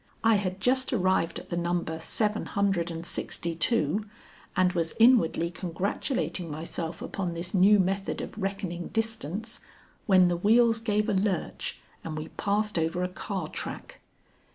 I had just arrived at the number seven hundred and sixty two, and was inwardly congratulating myself upon this new method of reckoning distance, when the wheels gave a lurch and we passed over a car track.